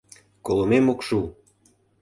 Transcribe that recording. Колымем ок шу!